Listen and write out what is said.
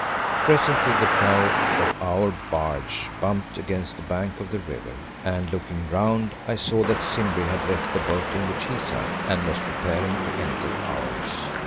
Presently the prow of our barge bumped against the bank of the river, and looking round I saw that Simbri had left the boat in which he sat and was preparing to enter ours.